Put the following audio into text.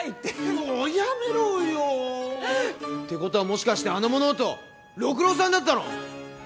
もうやめろてことはもしかしてあの物音六郎さんだったの！？